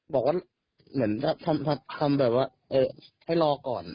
บอกว่าเหมือนทำแบบว่าให้รอก่อน